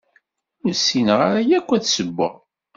Ur ssineɣ ara akk ad ssewweɣ.